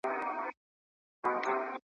نه « هینداره » چي مو شپې کړو ورته سپیني `